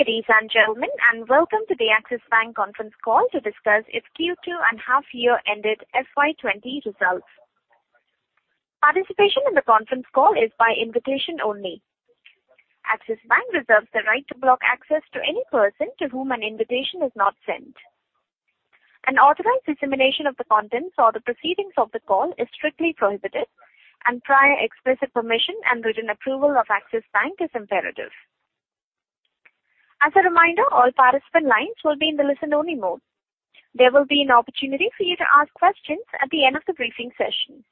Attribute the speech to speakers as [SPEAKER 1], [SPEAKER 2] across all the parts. [SPEAKER 1] Hey, ladies and gentlemen, and Welcome to the Axis Bank Conference Call to discuss its Q2 and half year ended FY20 results. Participation in the conference call is by invitation only. Axis Bank reserves the right to block access to any person to whom an invitation is not sent. Unauthorized dissemination of the contents or the proceedings of the call is strictly prohibited, and prior explicit permission and written approval of Axis Bank is imperative. As a reminder, all participant lines will be in the listen-only mode. There will be an opportunity for you to ask questions at the end of the briefing session.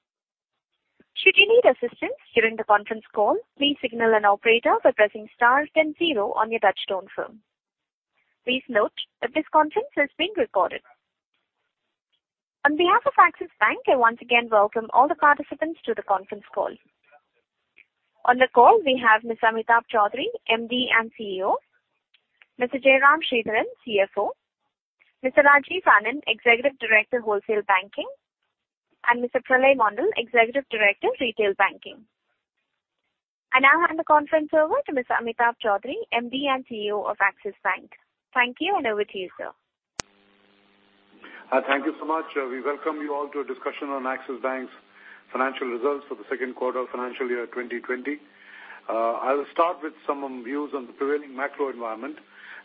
[SPEAKER 1] Should you need assistance during the conference call, please signal an operator by pressing star then zero on your touchtone phone. Please note that this conference is being recorded. On behalf of Axis Bank, I once again welcome all the participants to the conference call. On the call, we have Mr. Amitabh Chaudhry, MD and CEO, Mr. Jairam Sridharan, CFO, Mr. Rajiv Anand, Executive Director, Wholesale Banking, and Mr. Pralay Mondal, Executive Director, Retail Banking. I now hand the conference over to Mr. Amitabh Chaudhry, MD and CEO of Axis Bank. Thank you, and over to you, sir.
[SPEAKER 2] Thank you so much. We welcome you all to a discussion on Axis Bank's financial results for the second quarter of financial year 2020. I'll start with some views on the prevailing macro environment.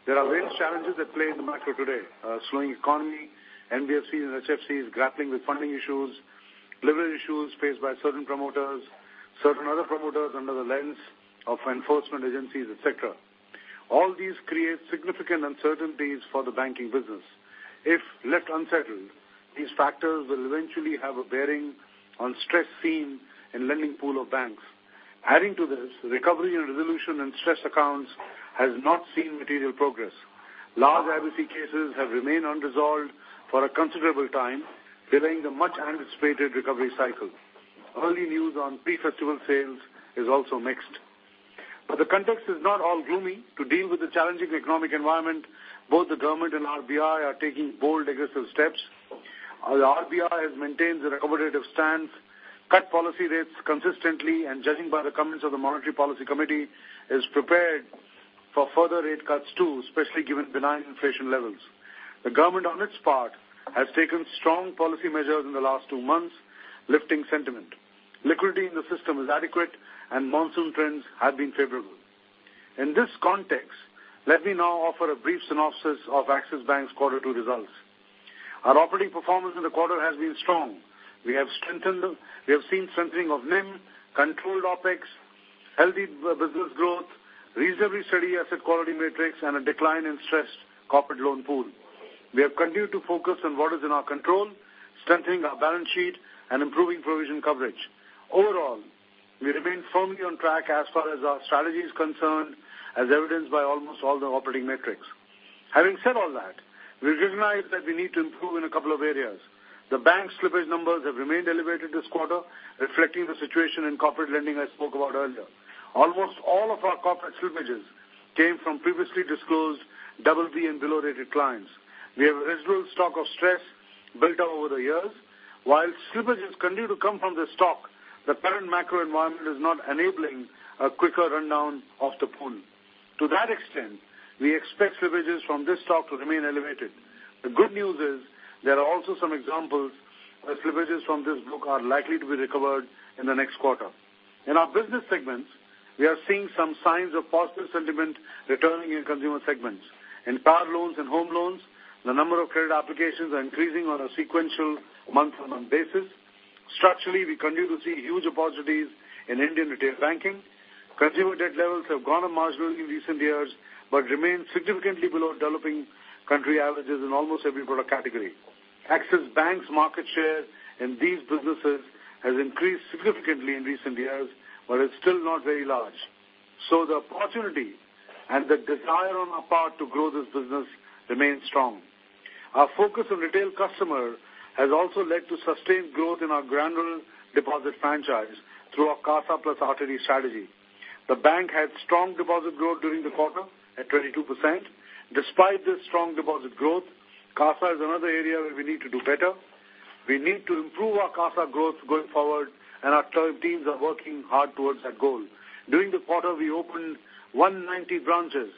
[SPEAKER 2] There are various challenges at play in the macro today: slowing economy, NBFCs and HFCs grappling with funding issues, leverage issues faced by certain promoters, certain other promoters under the lens of enforcement agencies, et cetera. All these create significant uncertainties for the banking business. If left unsettled, these factors will eventually have a bearing on stress seen in lending pool of banks. Adding to this, recovery and resolution in stress accounts has not seen material progress. Large IBC cases have remained unresolved for a considerable time, delaying the much-anticipated recovery cycle. Early news on pre-festival sales is also mixed. But the context is not all gloomy. To deal with the challenging economic environment, both the government and RBI are taking bold, aggressive steps. The RBI has maintained an accommodative stance, cut policy rates consistently, and judging by the comments of the Monetary Policy Committee, is prepared for further rate cuts, too, especially given benign inflation levels. The government, on its part, has taken strong policy measures in the last two months, lifting sentiment. Liquidity in the system is adequate, and monsoon trends have been favorable. In this context, let me now offer a brief synopsis of Axis Bank's Quarter Two results. Our operating performance in the quarter has been strong. We have seen strengthening of NIM, controlled OpEx, healthy business growth, reasonably steady asset quality metrics, and a decline in stressed corporate loan pool. We have continued to focus on what is in our control, strengthening our balance sheet and improving provision coverage. Overall, we remain firmly on track as far as our strategy is concerned, as evidenced by almost all the operating metrics. Having said all that, we recognize that we need to improve in a couple of areas. The bank's slippage numbers have remained elevated this quarter, reflecting the situation in corporate lending I spoke about earlier. Almost all of our corporate slippages came from previously disclosed BB and Below-rated clients. We have a residual stock of stress built up over the years. While slippages continue to come from this stock, the current macro environment is not enabling a quicker rundown of the pool. To that extent, we expect slippages from this stock to remain elevated. The good news is there are also some examples where slippages from this book are likely to be recovered in the next quarter. In our business segments, we are seeing some signs of positive sentiment returning in consumer segments. In car loans and home loans, the number of credit applications are increasing on a sequential month-on-month basis. Structurally, we continue to see huge opportunities in Indian retail banking. Consumer debt levels have grown marginally in recent years, but remain significantly below developing country averages in almost every product category. Axis Bank's market share in these businesses has increased significantly in recent years, but is still not very large. So the opportunity and the desire on our part to grow this business remains strong. Our focus on retail customer has also led to sustained growth in our granular deposit franchise through our CASA plus retail term deposits strategy. The bank had strong deposit growth during the quarter at 22%. Despite this strong deposit growth, CASA is another area where we need to do better. We need to improve our CASA growth going forward, and our teams are working hard towards that goal. During the quarter, we opened 190 branches,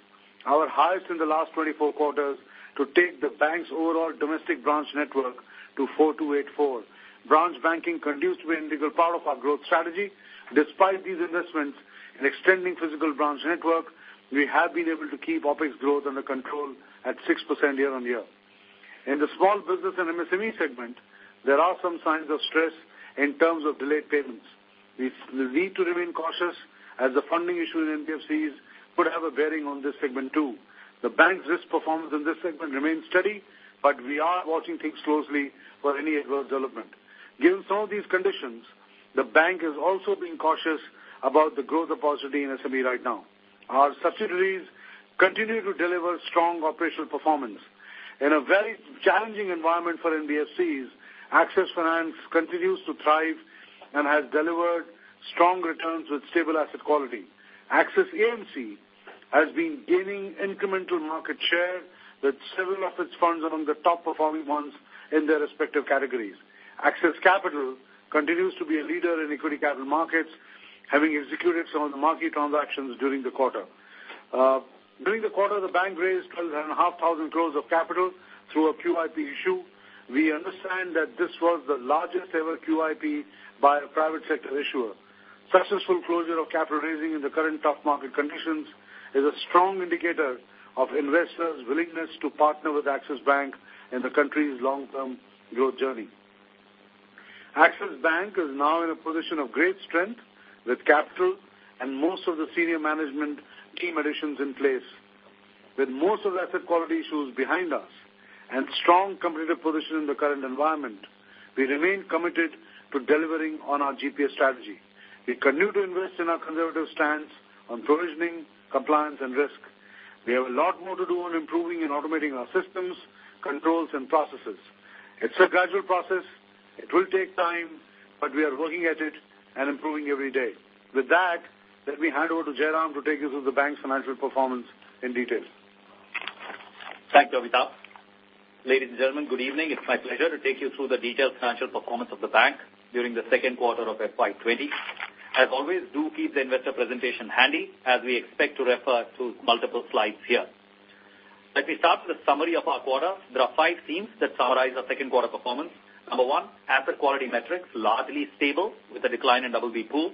[SPEAKER 2] our highest in the last 24 quarters, to take the bank's overall domestic branch network to 4,284. Branch banking continues to be an integral part of our growth strategy. Despite these investments in extending physical branch network, we have been able to keep OpEx growth under control at 6% year-on-year. In the small business and MSME segment, there are some signs of stress in terms of delayed payments. We need to remain cautious, as the funding issue in NBFCs could have a bearing on this segment, too. The bank's risk performance in this segment remains steady, but we are watching things closely for any adverse development. Given some of these conditions, the bank is also being cautious about the growth opportunity in SME right now. Our subsidiaries continue to deliver strong operational performance. In a very challenging environment for NBFCs, Axis Finance continues to thrive and has delivered strong returns with stable asset quality. Axis AMC has been gaining incremental market share, with several of its funds among the top performing ones in their respective categories. Axis Capital continues to be a leader in equity capital markets, having executed some of the market transactions during the quarter. During the quarter, the bank raised 12,500 crore of capital through a QIP issue. We understand that this was the largest ever QIP by a private sector issuer. Successful closure of capital raising in the current tough market conditions is a strong indicator of investors' willingness to partner with Axis Bank in the country's long-term growth journey. Axis Bank is now in a position of great strength, with capital and most of the senior management team additions in place. With most of the asset quality issues behind us and strong competitive position in the current environment, we remain committed to delivering on our GPS strategy. We continue to invest in our conservative stance on provisioning, compliance, and risk. We have a lot more to do on improving and automating our systems, controls, and processes. It's a gradual process. It will take time, but we are working at it and improving every day. With that, let me hand over to Jairam to take you through the bank's financial performance in detail.
[SPEAKER 3] Thanks, Amitabh. Ladies and Gentlemen, good evening. It's my pleasure to take you through the detailed financial performance of the bank during the second quarter of FY 2020. As always, do keep the Investor Presentation handy, as we expect to refer to multiple slides here. Let me start with a summary of our quarter. There are five themes that summarize our second quarter performance. Number one, asset quality metrics, largely stable, with a decline in BB pool.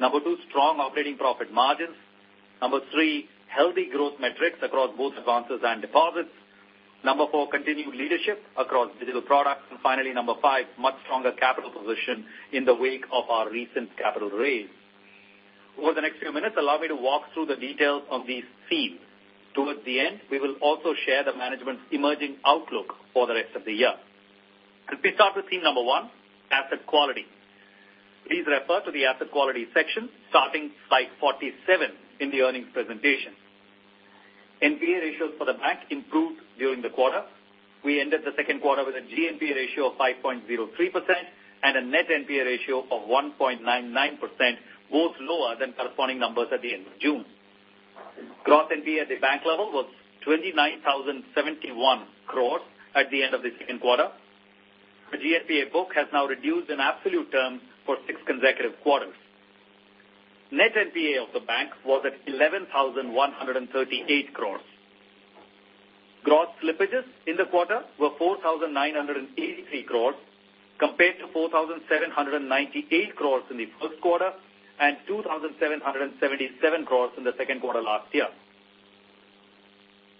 [SPEAKER 3] Number two, strong operating profit margins. Number three, healthy growth metrics across both advances and deposits. Number four, continued leadership across digital products. And finally, number five, much stronger capital position in the wake of our recent capital raise. Over the next few minutes, allow me to walk through the details of these themes. Towards the end, we will also share the management's emerging outlook for the rest of the year. Let me start with theme number 1, asset quality. Please refer to the asset quality section, starting slide 47 in the earnings presentation. NPA ratios for the bank improved during the quarter. We ended the second quarter with a GNPA ratio of 5.03% and a net NPA ratio of 1.99%, both lower than corresponding numbers at the end of June. Gross NPA at the bank level was 29,071 crore at the end of the second quarter. The GNPA book has now reduced in absolute terms for six consecutive quarters. Net NPA of the bank was at 11,138 crore. Gross slippages in the quarter were 4,983 crore, compared to 4,798 crore in the first quarter and 2,777 crore in the second quarter last year.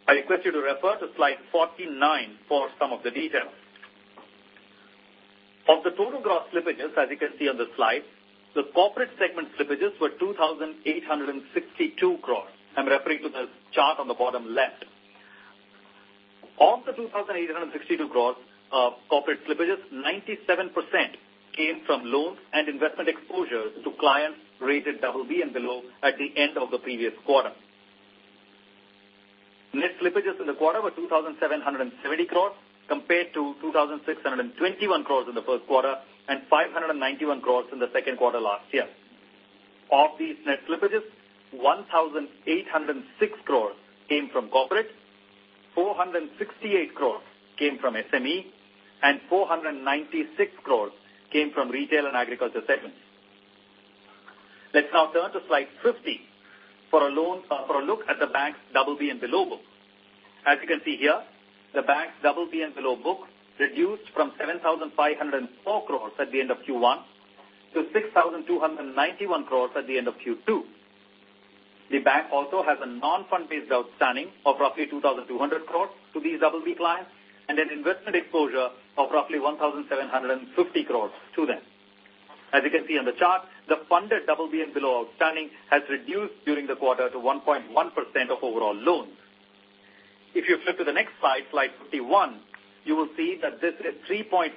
[SPEAKER 3] I request you to refer to slide 49 for some of the details. Of the total gross slippages, as you can see on the slide, the corporate segment slippages were 2,862 crore. I'm referring to the chart on the bottom left. Of the 2,862 crore of corporate slippages, 97% came from loans and investment exposures to clients rated BB and below at the end of the previous quarter. Net slippages in the quarter were 2,770 crore, compared to 2,621 crore in the first quarter and 591 crore in the second quarter last year. Of these net slippages, 1,806 crore came from corporate, 468 crore came from SME, and 496 crore came from retail and agriculture segments. Let's now turn to slide 50 for a loan, for a look at the bank's BB and below book. As you can see here, the bank's BB and below book reduced from 7,504 crore at the end of Q1 to 6,291 crore at the end of Q2. The bank also has a non-fund-based outstanding of roughly 2,200 crore to these BB clients, and an investment exposure of roughly 1,750 crore to them. As you can see on the chart, the funded BB and below outstanding has reduced during the quarter to 1.1% of overall loans. If you flip to the next slide, slide 51, you will see that this is 3.4%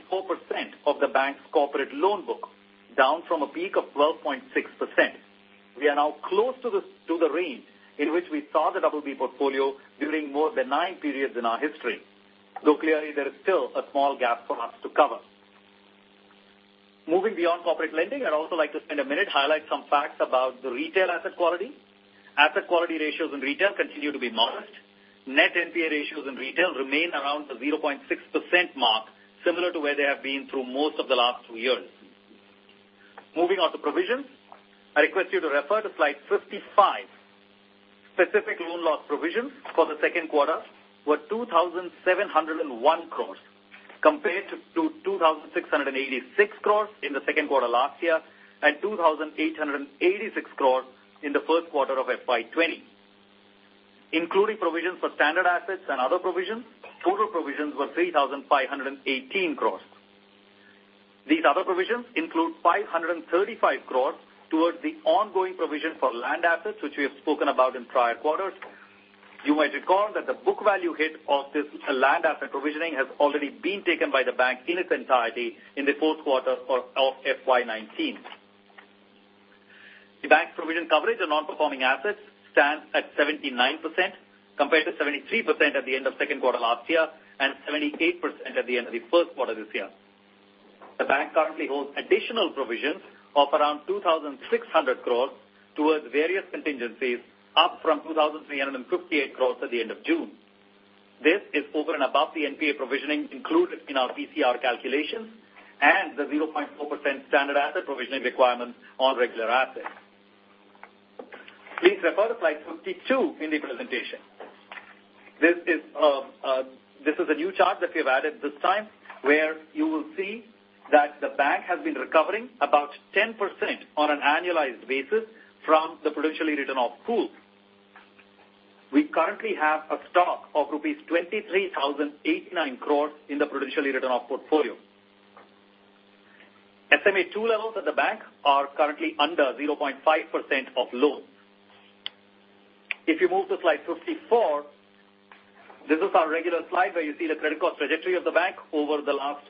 [SPEAKER 3] of the bank's corporate loan book, down from a peak of 12.6%. We are now close to the range in which we saw the BB portfolio during more benign periods in our history, though clearly there is still a small gap for us to cover. Moving beyond corporate lending, I'd also like to spend a minute to highlight some facts about the retail asset quality. Asset quality ratios in retail continue to be modest. Net NPA ratios in retail remain around the 0.6% mark, similar to where they have been through most of the last two years. Moving on to provisions, I request you to refer to slide 55. Specific loan loss provisions for the second quarter were 2,701 crore, compared to two thousand six hundred and eighty-six crores in the second quarter last year, and 2,886 crore in the first quarter of FY 2020. Including provisions for standard assets and other provisions, total provisions were 3,518 crore. These other provisions include 535 crore towards the ongoing provision for DTA, which we have spoken about in prior quarters. You might recall that the book value hit of this land asset provisioning has already been taken by the bank in its entirety in the fourth quarter of FY 2019. The bank's provision coverage on non-performing assets stands at 79%, compared to 73% at the end of second quarter last year, and 78% at the end of the first quarter this year. The bank currently holds additional provisions of around 2,600 crore towards various contingencies, up from 2,358 crore at the end of June. This is over and above the NPA provisioning included in our PCR calculations and the 0.4% standard asset provisioning requirements on regular assets. Please refer to slide 52 in the presentation. This is a new chart that we have added this time, where you will see that the bank has been recovering about 10% on an annualized basis from the prudentially written-off pool. We currently have a stock of rupees 23,089 crore in the prudentially written-off portfolio. SMA-2 levels at the bank are currently under 0.5% of loans. If you move to slide 54, this is our regular slide where you see the credit cost trajectory of the bank over the last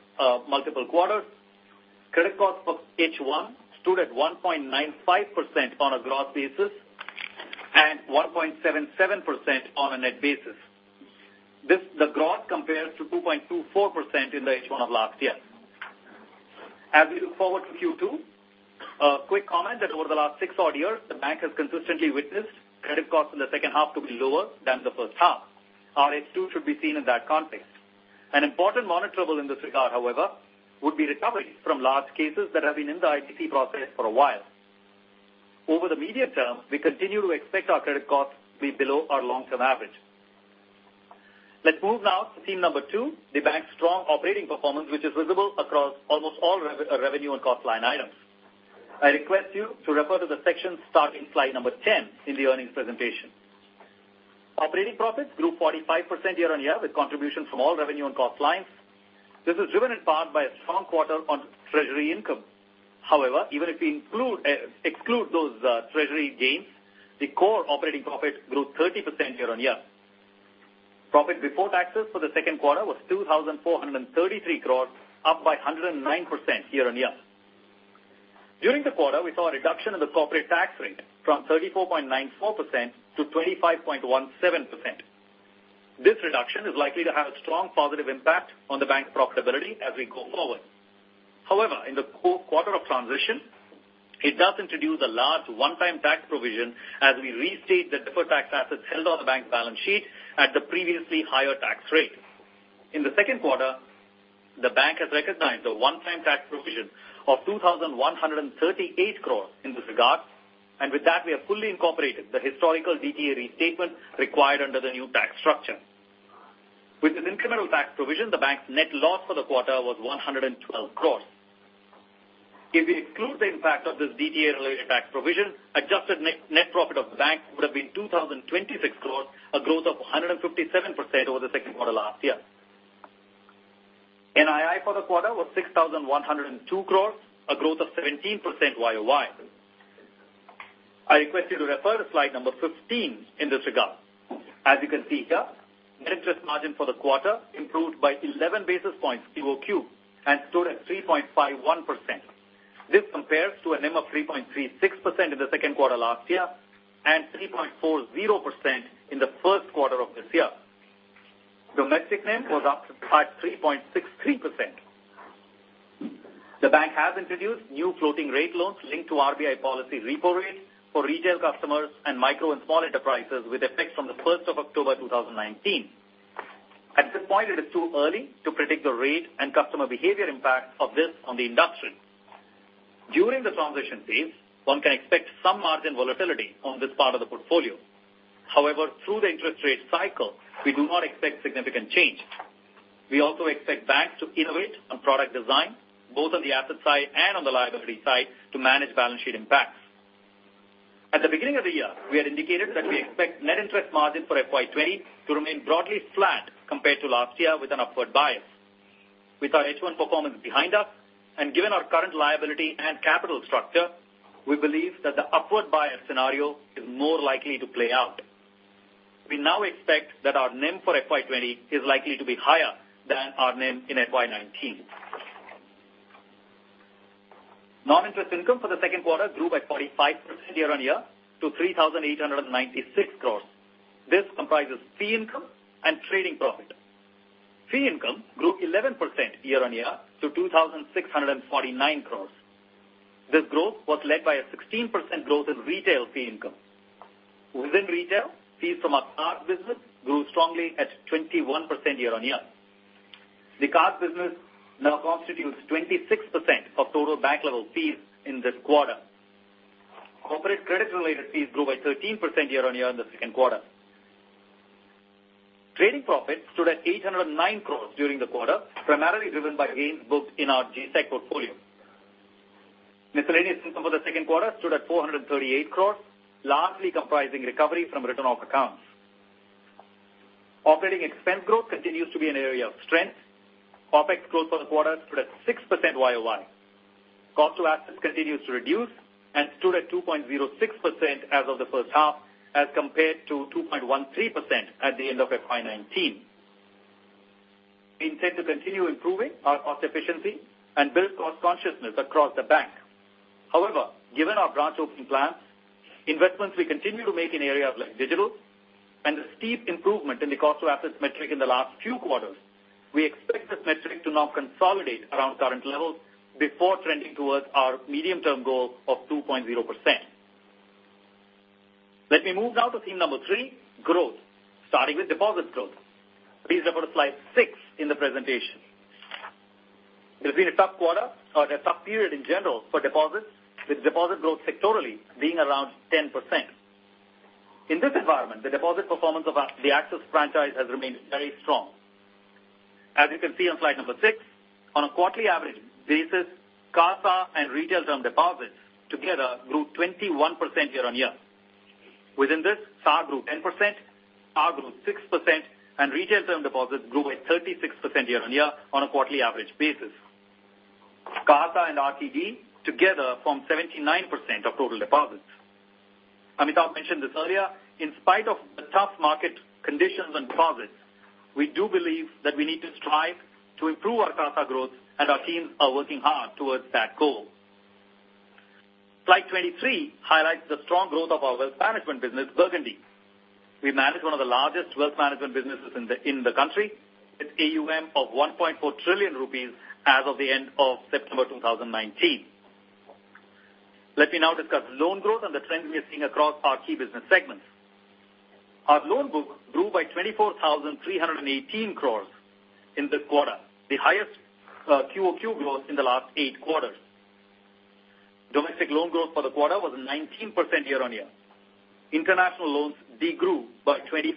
[SPEAKER 3] multiple quarters. Credit costs for H1 stood at 1.95% on a gross basis and 1.77% on a net basis. This, the gross compares to 2.24% in the H1 of last year. As we look forward to Q2, a quick comment that over the last 6 odd years, the bank has consistently witnessed credit costs in the second half to be lower than the first half. Our H2 should be seen in that context. An important monitorable in this regard, however, would be recoveries from large cases that have been in the IBC process for a while. Over the medium term, we continue to expect our credit costs to be below our long-term average. Let's move now to theme number 2, the bank's strong operating performance, which is visible across almost all revenue and cost line items. I request you to refer to the section starting slide number 10 in the earnings presentation. Operating profits grew 45% year-on-year, with contribution from all revenue and cost lines. This was driven in part by a strong quarter on treasury income. However, even if we exclude those treasury gains, the core operating profit grew 30% year-on-year. Profit before taxes for the second quarter was 2,433 crore, up by 109% year-on-year. During the quarter, we saw a reduction in the corporate tax rate from 34.94% to 25.17%. This reduction is likely to have a strong positive impact on the bank's profitability as we go forward. However, in the quarter of transition, it does introduce a large one-time tax provision as we restate the deferred tax assets held on the bank's balance sheet at the previously higher tax rate. In the second quarter, the bank has recognized a one-time tax provision of 2,138 crore in this regard, and with that, we have fully incorporated the historical DTA restatement required under the new tax structure. With this incremental tax provision, the bank's net loss for the quarter was 112 crore. If we exclude the impact of this DTA-related tax provision, adjusted net profit of the bank would have been 2,026 crore, a growth of 157% over the second quarter last year. NII for the quarter was 6,102 crore, a growth of 17% YOY. I request you to refer to slide number 15 in this regard. As you can see here, net interest margin for the quarter improved by 11 basis points QoQ and stood at 3.51%. This compares to a NIM of 3.36% in the second quarter last year and 3.40% in the first quarter of this year. Domestic NIM was up at 3.63%. The bank has introduced new floating rate loans linked to RBI policy repo rates for retail customers and micro and small enterprises, with effect from the first of October 2019. At this point, it is too early to predict the rate and customer behavior impact of this on the industry. During the transition phase, one can expect some margin volatility on this part of the portfolio. However, through the interest rate cycle, we do not expect significant change. We also expect banks to innovate on product design, both on the asset side and on the liability side, to manage balance sheet impacts. At the beginning of the year, we had indicated that we expect net interest margin for FY 2020 to remain broadly flat compared to last year, with an upward bias. With our H1 performance behind us and given our current liability and capital structure, we believe that the upward bias scenario is more likely to play out. We now expect that our NIM for FY 2020 is likely to be higher than our NIM in FY 2019. Non-interest income for the second quarter grew by 45% year-over-year to 3,896 crore. This comprises fee income and trading profit. Fee income grew 11% year-over-year to 2,649 crore. This growth was led by a 16% growth in retail fee income. Within retail, fees from our card business grew strongly at 21% year-on-year. The card business now constitutes 26% of total bank-level fees in this quarter. Corporate credit-related fees grew by 13% year-on-year in the second quarter. Trading profits stood at 809 crore during the quarter, primarily driven by gains booked in our G-Sec portfolio. Miscellaneous income for the second quarter stood at 438 crore, largely comprising recovery from written-off accounts. Operating expense growth continues to be an area of strength. OpEx growth for the quarter stood at 6% YOY. Cost to assets continues to reduce and stood at 2.06% as of the first half, as compared to 2.13% at the end of FY 2019. We intend to continue improving our cost efficiency and build cost consciousness across the bank. However, given our branch opening plans, investments we continue to make in areas like digital and the steep improvement in the cost to assets metric in the last few quarters, we expect this metric to now consolidate around current levels before trending towards our medium-term goal of 2.0%.... Let me move now to theme number three, growth, starting with deposit growth. Please refer to Slide six in the presentation. It has been a tough quarter or a tough period in general for deposits, with deposit growth sectorally being around 10%. In this environment, the deposit performance of our, the Axis franchise has remained very strong. As you can see on slide number six, on a quarterly average basis, CASA and retail term deposits together grew 21% year-on-year. Within this, SA grew 10%, CA grew 6%, and retail term deposits grew by 36% year-on-year on a quarterly average basis. CASA and RTD together form 79% of total deposits. Amitabh mentioned this earlier, in spite of the tough market conditions on deposits, we do believe that we need to strive to improve our CASA growth, and our teams are working hard towards that goal. Slide 23 highlights the strong growth of our wealth management business, Burgundy. We manage one of the largest wealth management businesses in the, in the country, with AUM of 1.4 trillion rupees as of the end of September 2019. Let me now discuss loan growth and the trends we are seeing across our key business segments. Our loan book grew by 24,318 crore in this quarter, the highest QOQ growth in the last eight quarters. Domestic loan growth for the quarter was 19% year-over-year. International loans de-grew by 25%.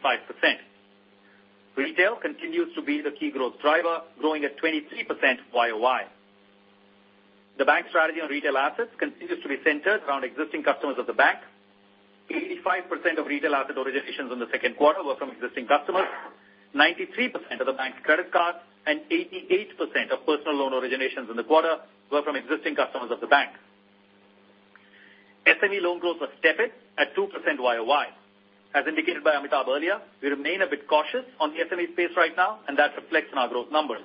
[SPEAKER 3] Retail continues to be the key growth driver, growing at 23% YOY. The bank's strategy on retail assets continues to be centered around existing customers of the bank. 85% of retail asset originations in the second quarter were from existing customers, 93% of the bank's credit cards and 88% of personal loan originations in the quarter were from existing customers of the bank. SME loan growth was tepid at 2% YOY. As indicated by Amitabh earlier, we remain a bit cautious on the SME space right now, and that reflects in our growth numbers.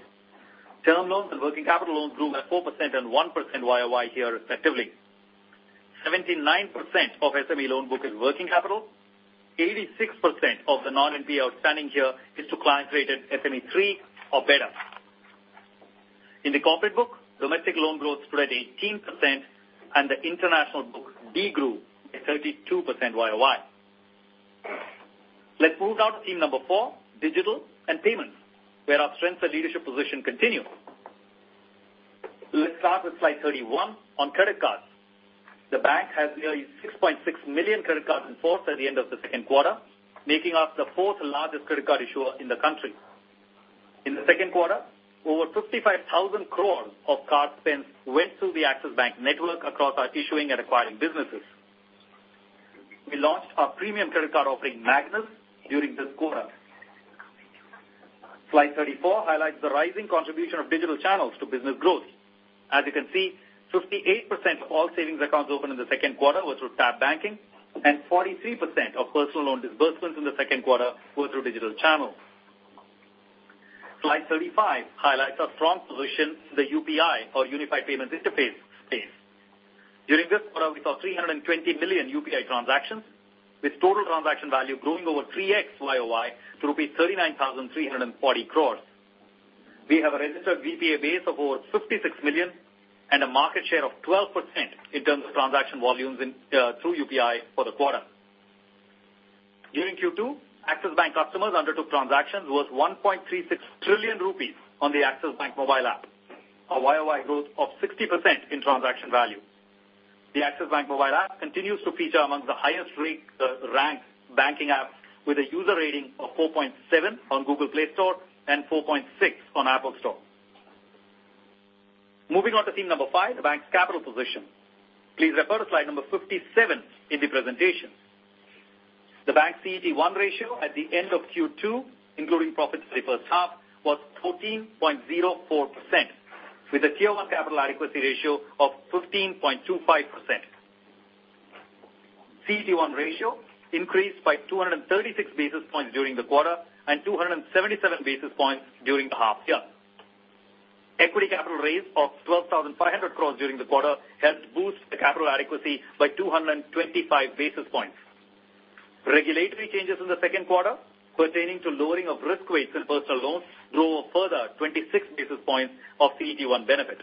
[SPEAKER 3] Term loans and working capital loans grew by 4% and 1% YOY here, respectively. 79% of SME loan book is working capital. 86% of the non-NPA outstanding here is to clients rated SME 3 or better. In the corporate book, domestic loan growth stood at 18% and the international book de-grew at 32% YOY. Let's move now to theme number 4, digital and payments, where our strengths and leadership position continue. Let's start with Slide 31 on credit cards. The bank has nearly 6.6 million credit cards in force at the end of the second quarter, making us the 4th largest credit card issuer in the country. In the second quarter, over 55,000 crore of card spends went through the Axis Bank network across our issuing and acquiring businesses. We launched our premium credit card offering, Magnus, during this quarter. Slide 34 highlights the rising contribution of digital channels to business growth. As you can see, 58% of all savings accounts opened in the second quarter was through Tab Banking, and 43% of personal loan disbursements in the second quarter were through digital channels. Slide 35 highlights our strong position in the UPI or Unified Payments Interface space. During this quarter, we saw 320 million UPI transactions, with total transaction value growing over 3x YOY to rupees 39,340 crore. We have a registered UPI base of over 56 million and a market share of 12% in terms of transaction volumes in, through UPI for the quarter. During Q2, Axis Bank customers undertook transactions worth 1.36 trillion rupees on the Axis Bank mobile app, a YOY growth of 60% in transaction value. The Axis Bank mobile app continues to feature among the highest ranked banking apps, with a user rating of 4.7 on Google Play Store and 4.6 on Apple Store. Moving on to theme number 5, the bank's capital position. Please refer to slide number 57 in the presentation. The bank's CET1 ratio at the end of Q2, including profits for the first half, was 13.04%, with a Tier One capital adequacy ratio of 15.25%. CET1 ratio increased by 236 basis points during the quarter and 277 basis points during the half year. Equity capital raise of 12,500 crore during the quarter helped boost the capital adequacy by 225 basis points. Regulatory changes in the second quarter pertaining to lowering of risk weights in personal loans drove a further 26 basis points of CET1 benefit.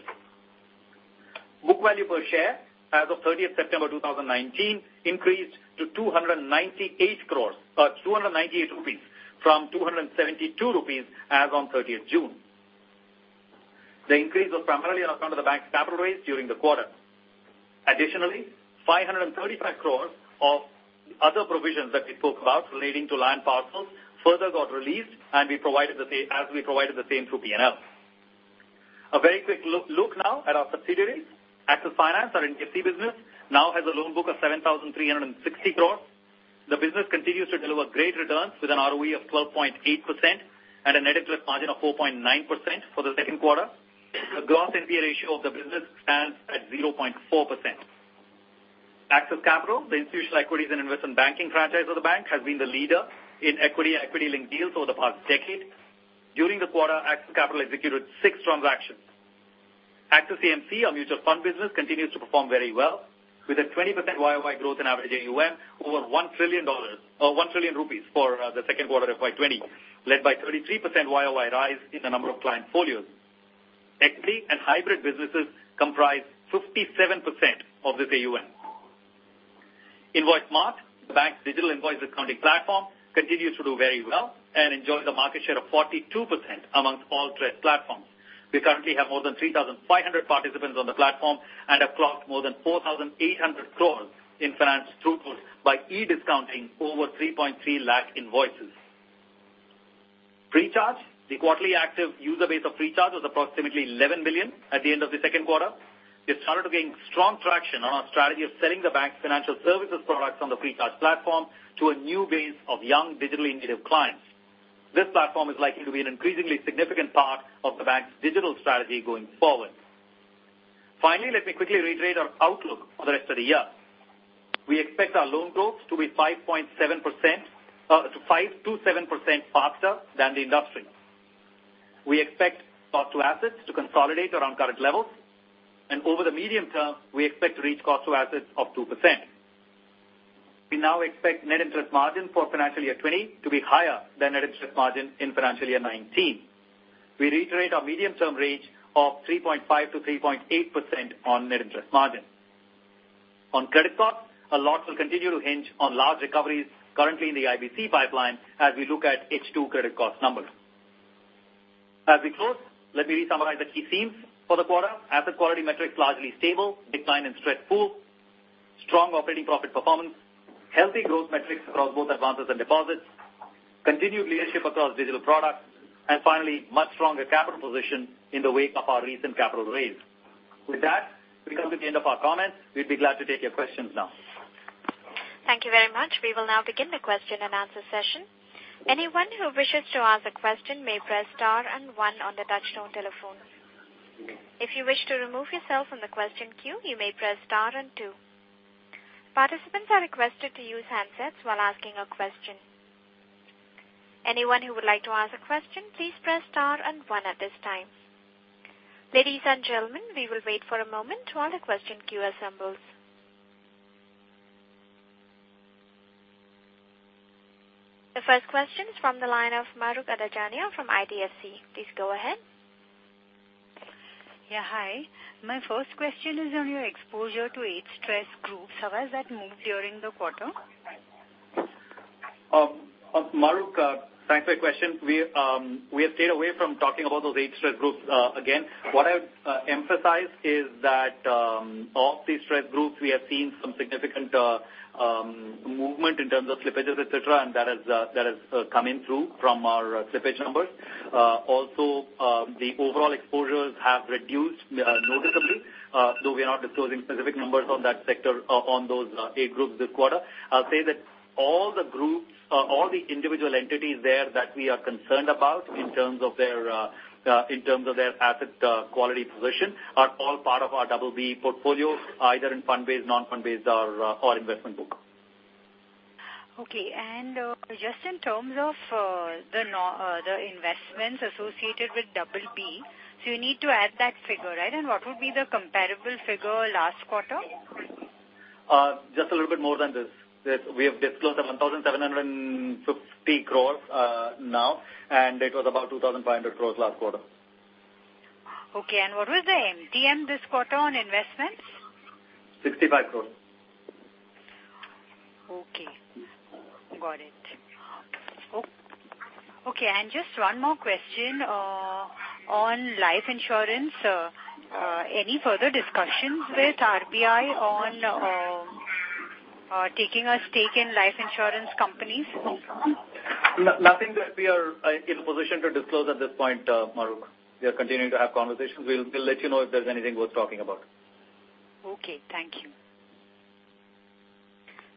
[SPEAKER 3] Book value per share as of thirtieth September 2019 increased to 298 rupees from 272 rupees as on thirtieth June. The increase was primarily on account of the bank's capital raise during the quarter. Additionally, 535 crore of other provisions that we spoke about relating to land parcels further got released, and we provided the same, as we provided the same through P&L. A very quick look now at our subsidiaries. Axis Finance, our NBFC business, now has a loan book of 7,360 crore. The business continues to deliver great returns with an ROE of 12.8% and a net interest margin of 4.9% for the second quarter. The gross NPA ratio of the business stands at 0.4%. Axis Capital, the institutional equities and investment banking franchise of the bank, has been the leader in equity and equity-linked deals over the past decade. During the quarter, Axis Capital executed 6 transactions. Axis AMC, our mutual fund business, continues to perform very well, with a 20% YOY growth in average AUM over $1 trillion or 1 trillion rupees for the second quarter of FY 2020, led by 33% YOY rise in the number of client folios... equity and hybrid businesses comprise 57% of the AUM. Invoicemart, the bank's digital invoice discounting platform, continues to do very well and enjoys a market share of 42% among all TReDS platforms. We currently have more than 3,500 participants on the platform and have clocked more than 4,800 crore in finance throughput by e-discounting over 3.3 lakh invoices. Freecharge, the quarterly active user base of Freecharge was approximately 11 million at the end of the second quarter. We've started to gain strong traction on our strategy of selling the bank's financial services products on the Freecharge platform to a new base of young, digitally intuitive clients. This platform is likely to be an increasingly significant part of the bank's digital strategy going forward. Finally, let me quickly reiterate our outlook for the rest of the year. We expect our loan growth to be 5.7%, to 5%-7% faster than the industry. We expect cost to assets to consolidate around current levels, and over the medium term, we expect to reach cost to assets of 2%. We now expect net interest margin for financial year 2020 to be higher than net interest margin in financial year 2019. We reiterate our medium-term range of 3.5%-3.8% on net interest margin. On credit cost, a lot will continue to hinge on large recoveries currently in the IBC pipeline as we look at H2 credit cost numbers. As we close, let me re-summarize the key themes for the quarter. Asset quality metrics largely stable, decline in stress pools, strong operating profit performance, healthy growth metrics across both advances and deposits, continued leadership across digital products, and finally, much stronger capital position in the wake of our recent capital raise. With that, we come to the end of our comments. We'd be glad to take your questions now.
[SPEAKER 1] Thank you very much. We will now begin the question-and-answer session. Anyone who wishes to ask a question may press star and one on the touchtone telephone. If you wish to remove yourself from the question queue, you may press star and two. Participants are requested to use handsets while asking a question. Anyone who would like to ask a question, please press star and one at this time. Ladies and gentlemen, we will wait for a moment while the question queue assembles. The first question is from the line of Mahrukh Adajania from IDFC. Please go ahead.
[SPEAKER 4] Yeah, hi. My first question is on your exposure to 8 stress groups. How has that moved during the quarter?
[SPEAKER 3] Mahrukh, thanks for your question. We have stayed away from talking about those eight stress groups. Again, what I would emphasize is that of these stress groups, we have seen some significant movement in terms of slippages, et cetera, and that has coming through from our slippage numbers. Also, the overall exposures have reduced noticeably. So we are not disclosing specific numbers on that sector, on those eight groups this quarter. I'll say that all the groups, all the individual entities there that we are concerned about in terms of their, in terms of their asset quality position, are all part of our BB portfolio, either in fund-based, non-fund based, or our investment book.
[SPEAKER 4] Okay. And, just in terms of, the investments associated with BB, so you need to add that figure, right? And what would be the comparable figure last quarter?
[SPEAKER 3] just a little bit more than this. This, we have disclosed 1,760 crore now, and it was about 2,500 crore last quarter.
[SPEAKER 4] Okay, and what was the MTM this quarter on investments?
[SPEAKER 3] 65 crores.
[SPEAKER 4] Okay. Got it. Oh, okay, and just one more question on life insurance. Any further discussions with RBI on taking a stake in life insurance companies?
[SPEAKER 3] No, nothing that we are in a position to disclose at this point, Mahrukh. We are continuing to have conversations. We'll let you know if there's anything worth talking about.
[SPEAKER 4] Okay. Thank you.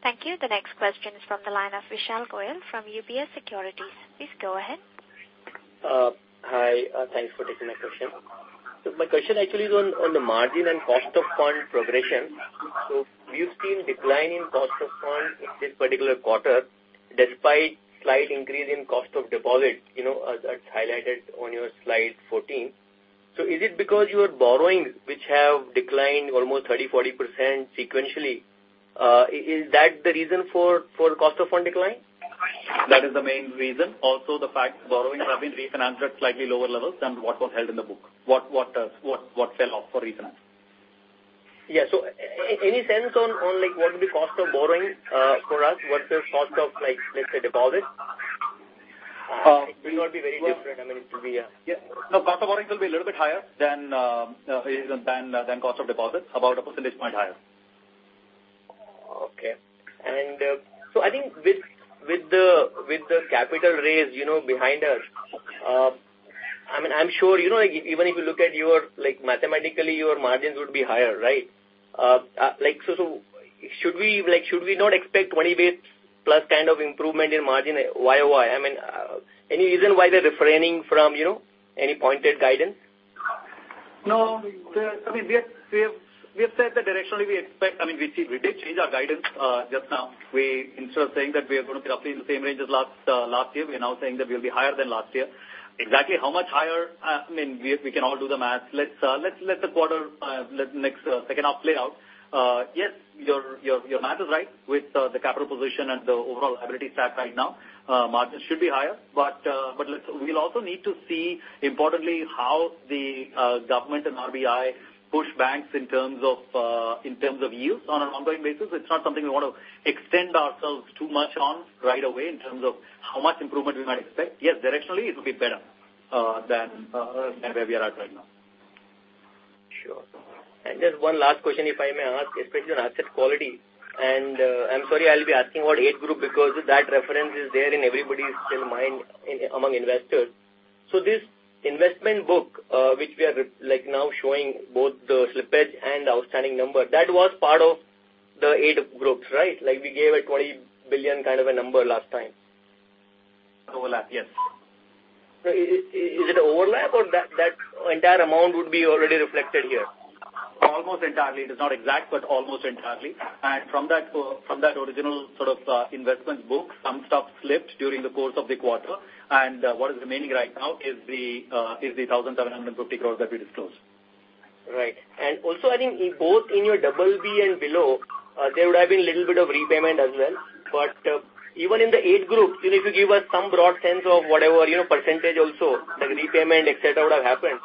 [SPEAKER 1] Thank you. The next question is from the line of Vishal Goyal from UBS Securities. Please go ahead.
[SPEAKER 5] Hi, thanks for taking my question. So my question actually is on the margin and cost of fund progression. So we've seen decline in cost of funds in this particular quarter, despite slight increase in cost of deposits, you know, as highlighted on your slide 14. So is it because you are borrowing, which have declined almost 30%-40% sequentially? Is that the reason for cost of fund decline?
[SPEAKER 3] That is the main reason. Also, the fact borrowing have been refinanced at slightly lower levels than what was held in the book. What fell off for refinance.
[SPEAKER 5] Yeah. So any sense on, on, like, what would be cost of borrowing for us? What's the cost of, like, let's say, deposits?
[SPEAKER 3] Uh-
[SPEAKER 5] It will not be very different. I mean, it could be...
[SPEAKER 3] Yeah. No, cost of borrowings will be a little bit higher than cost of deposits, about a percentage point higher.
[SPEAKER 5] Okay. So I think with the capital raise, you know, behind us, I mean, I'm sure, you know, even if you look at your... Like, mathematically, your margins would be higher, right? Like, so should we not expect 20 basis points kind of improvement in margin YOY? I mean, any reason why they're refraining from, you know, any pointed guidance?
[SPEAKER 3] No, I mean, we have said that directionally, we expect. I mean, we did change our guidance just now. We, instead of saying that we are going to be roughly in the same range as last year, we are now saying that we'll be higher than last year. Exactly how much higher? I mean, we can all do the math. Let's let the next second half play out. Yes, your math is right with the capital position and the overall liability stack right now. Margins should be higher, but we'll also need to see, importantly, how the government and RBI push banks in terms of use on an ongoing basis. It's not something we want to extend ourselves too much on right away in terms of how much improvement we might expect. Yes, directionally, it will be better than where we are at right now.
[SPEAKER 5] Sure. And just one last question, if I may ask, especially on asset quality, and, I'm sorry, I'll be asking about eight group, because that reference is there in everybody's mind among investors. So this investment book, which we are like now showing both the slippage and the outstanding number, that was part of the eight groups, right? Like, we gave a 20 billion kind of a number last time.
[SPEAKER 3] Overlap, yes.
[SPEAKER 5] So, is it an overlap or that entire amount would be already reflected here?
[SPEAKER 3] Almost entirely. It is not exact, but almost entirely. And from that, from that original sort of investment book, some stuff slipped during the course of the quarter, and what is remaining right now is the, is the 1,750 crore that we disclosed.
[SPEAKER 5] Right. And also, I think in both in your BB and below, there would have been a little bit of repayment as well. But even in the eight groups, you know, if you give us some broad sense of whatever, you know, percentage also, like repayment, et cetera, would have happened,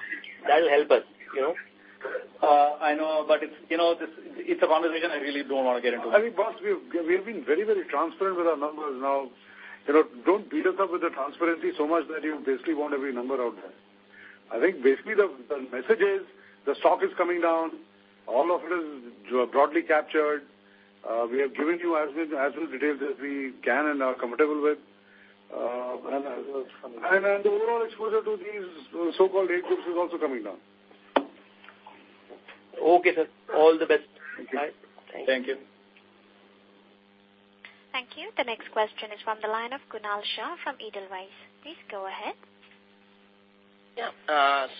[SPEAKER 5] that'll help us, you know?
[SPEAKER 3] I know, but it's, you know, it's a conversation I really don't want to get into.
[SPEAKER 2] I mean, boss, we've been very, very transparent with our numbers now. You know, don't beat us up with the transparency so much that you basically want every number out there. I think basically the message is, the stock is coming down. All of it is broadly captured. We have given you as much details as we can and are comfortable with, and the overall exposure to these so-called eight groups is also coming down.
[SPEAKER 5] Okay, sir. All the best.
[SPEAKER 2] Thank you.
[SPEAKER 3] Thank you.
[SPEAKER 1] Thank you. The next question is from the line of Kunal Shah from Edelweiss. Please go ahead.
[SPEAKER 6] Yeah,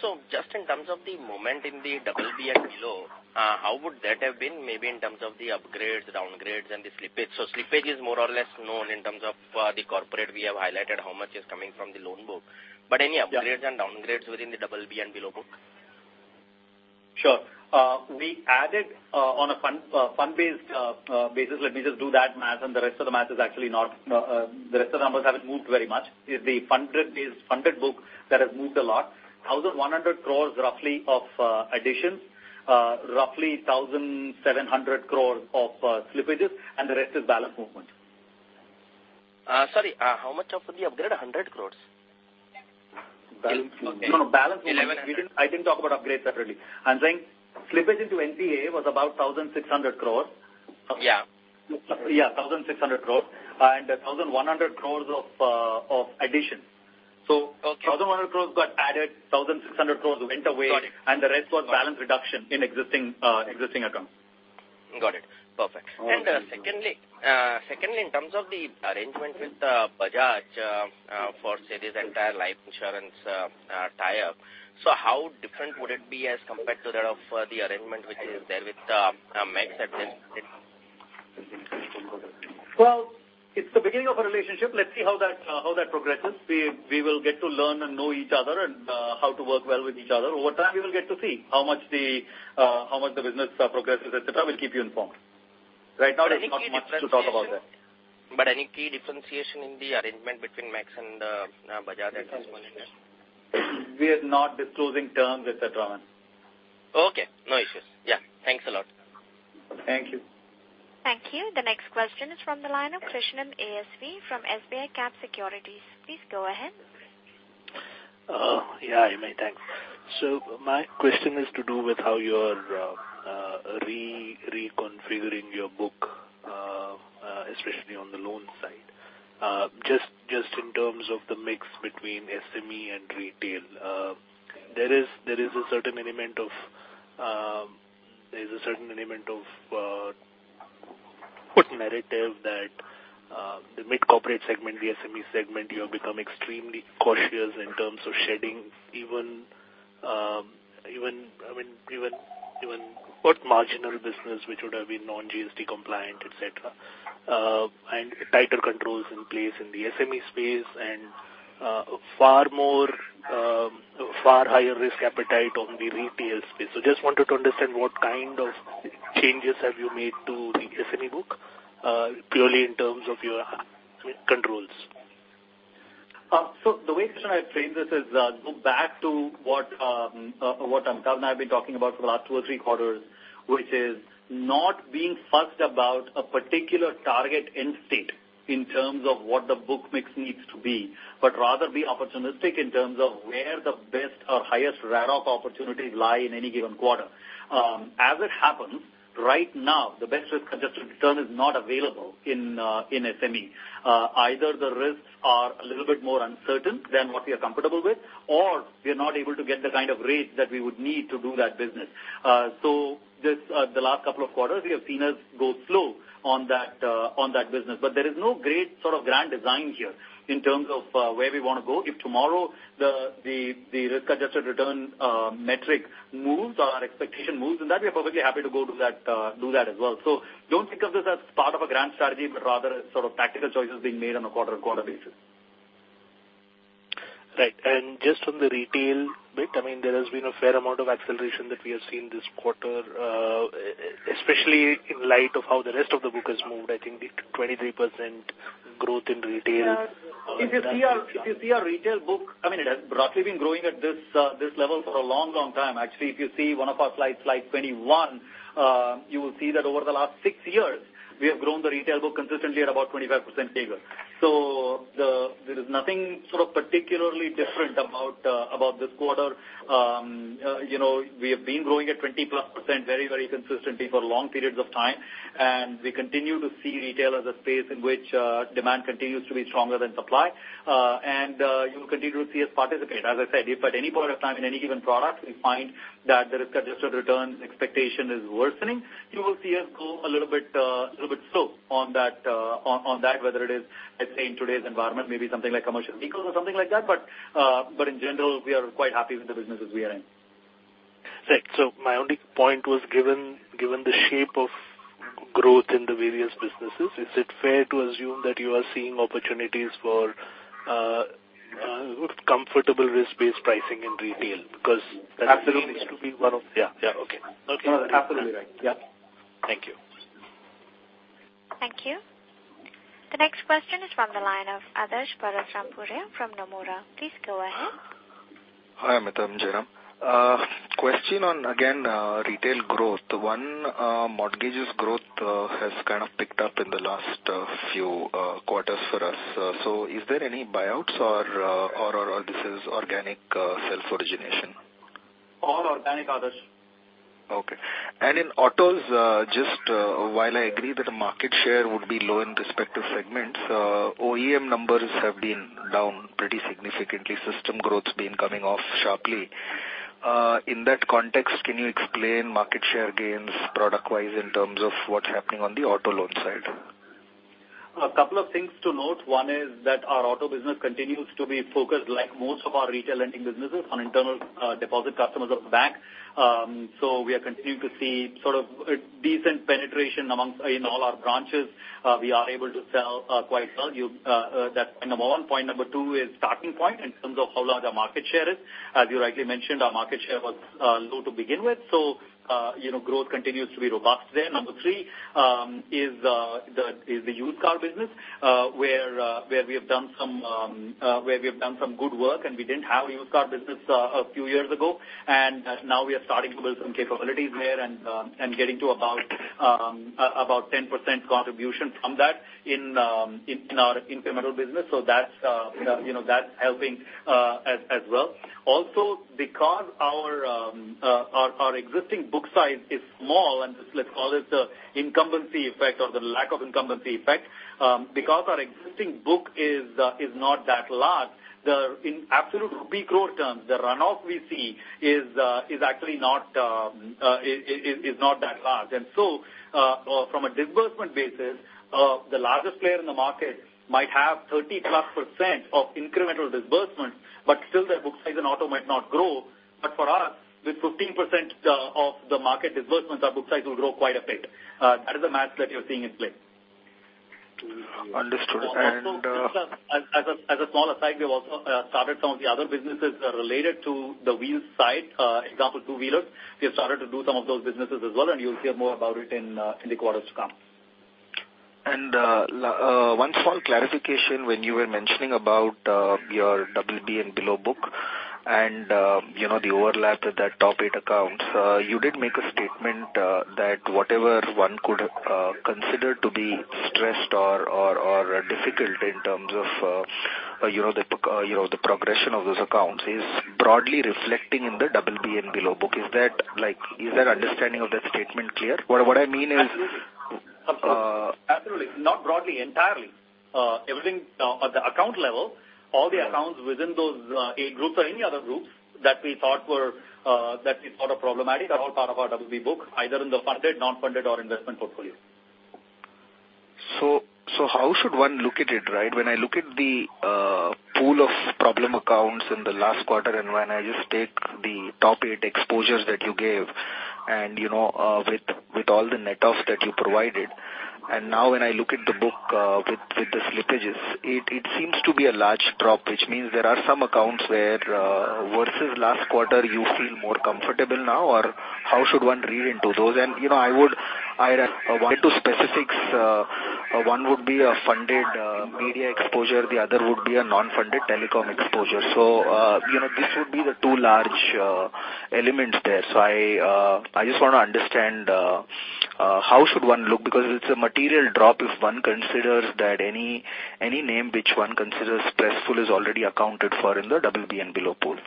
[SPEAKER 6] so just in terms of the moment in the BB and below, how would that have been maybe in terms of the upgrades, downgrades, and the slippage? So slippage is more or less known in terms of, the corporate. We have highlighted how much is coming from the loan book, but any upgrades-
[SPEAKER 3] Yeah.
[SPEAKER 6] Downgrades within the BB and below book?
[SPEAKER 3] Sure. We added, on a fund, fund-based, basis, let me just do that math, and the rest of the math is actually not, the rest of the numbers haven't moved very much. It's the funded base, funded book that has moved a lot. 1,100 crores, roughly, of additions, roughly 1,700 crores of slippages, and the rest is balance movement.
[SPEAKER 6] Sorry, how much of the upgraded? 100 crore?
[SPEAKER 3] Balance. No, no, balance.
[SPEAKER 6] Eleven-
[SPEAKER 3] We didn't... I didn't talk about upgrades separately. I'm saying slippage into NPA was about 1,600 crore.
[SPEAKER 6] Yeah.
[SPEAKER 3] Yeah, 1,600 crore and 1,100 crore of addition.
[SPEAKER 6] Okay.
[SPEAKER 3] So 1,100 crore got added, 1,600 crore went away-
[SPEAKER 6] Got it.
[SPEAKER 3] and the rest was balance reduction in existing accounts.
[SPEAKER 6] Got it. Perfect.
[SPEAKER 3] Okay.
[SPEAKER 6] Secondly, in terms of the arrangement with Bajaj for say this entire life insurance tie-up, so how different would it be as compared to that of the arrangement which is there with Max at this point?
[SPEAKER 3] Well, it's the beginning of a relationship. Let's see how that progresses. We will get to learn and know each other and how to work well with each other. Over time, we will get to see how much the business progresses, et cetera. We'll keep you informed. Right now, there's not much to talk about that.
[SPEAKER 6] But any key differentiation in the arrangement between Max and, Bajaj and so on?
[SPEAKER 3] We are not disclosing terms, et cetera.
[SPEAKER 5] Okay, no issues. Yeah, thanks a lot.
[SPEAKER 3] Thank you.
[SPEAKER 1] Thank you. The next question is from the line of Krishnan ASV from SBICAP Securities. Please go ahead.
[SPEAKER 7] Yeah, I may. Thanks. So my question is to do with how you're reconfiguring your book, especially on the loan side. Just in terms of the mix between SME and retail, there is a certain element of narrative that the mid-corporate segment, the SME segment, you have become extremely cautious in terms of shedding even, I mean, even what marginal business, which would have been non-GST compliant, et cetera, and tighter controls in place in the SME space and far higher risk appetite on the retail space. So just wanted to understand what kind of changes have you made to the SME book, purely in terms of your risk controls?
[SPEAKER 3] So the way I frame this is, go back to what Amitabh and I have been talking about for the last two or three quarters, which is not being fussed about a particular target in state in terms of what the book mix needs to be, but rather be opportunistic in terms of where the best or highest rate of opportunities lie in any given quarter. As it happens, right now, the best risk-adjusted return is not available in SME. Either the risks are a little bit more uncertain than what we are comfortable with, or we are not able to get the kind of rates that we would need to do that business. So this, the last couple of quarters, you have seen us go slow on that, on that business, but there is no great sort of grand design here in terms of, where we want to go. If tomorrow, the risk-adjusted return, metric moves or our expectation moves, and that we are perfectly happy to go do that, do that as well. So don't think of this as part of a grand strategy, but rather a sort of tactical choices being made on a quarter-on-quarter basis. ...
[SPEAKER 7] Right. Just on the retail bit, I mean, there has been a fair amount of acceleration that we have seen this quarter, especially in light of how the rest of the book has moved. I think the 23% growth in retail-
[SPEAKER 3] If you see our retail book, I mean, it has broadly been growing at this level for a long, long time. Actually, if you see one of our slides, slide 21, you will see that over the last six years, we have grown the retail book consistently at about 25% CAGR. So there is nothing sort of particularly different about this quarter. You know, we have been growing at 20+% very, very consistently for long periods of time, and we continue to see retail as a space in which demand continues to be stronger than supply, and you will continue to see us participate. As I said, if at any point of time in any given product, we find that the risk-adjusted return expectation is worsening, you will see us go a little bit, a little bit slow on that, on, on that, whether it is, let's say, in today's environment, maybe something like commercial vehicles or something like that, but, but in general, we are quite happy with the businesses we are in.
[SPEAKER 7] Right. So my only point was, given the shape of growth in the various businesses, is it fair to assume that you are seeing opportunities for comfortable risk-based pricing in retail? Because-
[SPEAKER 3] Absolutely.
[SPEAKER 7] That seems to be one of... Yeah, yeah. Okay. Okay.
[SPEAKER 3] Absolutely right. Yeah.
[SPEAKER 7] Thank you.
[SPEAKER 1] Thank you. The next question is from the line of Adarsh Parasrampuria from Nomura. Please go ahead.
[SPEAKER 8] Hi, Amit, I'm Jairam. Question on, again, retail growth. One, mortgages growth has kind of picked up in the last few quarters for us. So is there any buyouts or this is organic self-origination?
[SPEAKER 3] All organic, Adarsh.
[SPEAKER 8] Okay. In autos, just, while I agree that the market share would be low in respective segments, OEM numbers have been down pretty significantly. System growth's been coming off sharply. In that context, can you explain market share gains product-wise in terms of what's happening on the auto loan side?
[SPEAKER 3] A couple of things to note. One is that our auto business continues to be focused, like most of our retail lending businesses, on internal, deposit customers of the bank. So we are continuing to see sort of a decent penetration among... In all our branches, we are able to sell quite well. You, that's point number one. Point number two is starting point in terms of how large our market share is. As you rightly mentioned, our market share was low to begin with, so, you know, growth continues to be robust there. Number three is the used car business, where we have done some good work, and we didn't have a used car business a few years ago, and now we are starting to build some capabilities there and getting to about 10% contribution from that in our incremental business. So that's, you know, that's helping as well. Also, because our existing book size is small, and let's call it the incumbency effect or the lack of incumbency effect, because our existing book is not that large, in absolute rupee growth terms, the runoff we see is actually not that large. From a disbursement basis, the largest player in the market might have 30+% of incremental disbursement, but still their book size in auto might not grow. But for us, with 15% of the market disbursements, our book size will grow quite a bit. That is the math that you're seeing in play.
[SPEAKER 8] Understood. And,
[SPEAKER 3] As a smaller side, we've also started some of the other businesses that are related to the wheels side. Example, two-wheeler. We have started to do some of those businesses as well, and you'll hear more about it in the quarters to come.
[SPEAKER 8] One small clarification when you were mentioning about your BB and below book, and, you know, the overlap with that top eight accounts. You did make a statement that whatever one could consider to be stressed or difficult in terms of, you know, the progression of those accounts is broadly reflecting in the BB and below book. Is that, like, is that understanding of that statement clear? What I mean is-
[SPEAKER 3] Absolutely.
[SPEAKER 8] Uh-
[SPEAKER 3] Absolutely. Not broadly, entirely. Everything, at the account level, all the accounts within those eight groups or any other groups that we thought are problematic, are all part of our BB book, either in the funded, non-funded or investment portfolio.
[SPEAKER 8] So, so how should one look at it, right? When I look at the pool of problem accounts in the last quarter, and when I just take the top eight exposures that you gave, and, you know, with, with all the net-offs that you provided, and now when I look at the book with, with the slippages, it, it seems to be a large drop, which means there are some accounts where versus last quarter, you feel more comfortable now, or how should one read into those? And, you know, I would--I want to specifics, one would be a funded media exposure, the other would be a non-funded telecom exposure. So, you know, this would be the two large elements there. So I, I just want to understand, how should one look? Because it's a material drop if one considers that any, any name which one considers stressful is already accounted for in the BB and Below pool.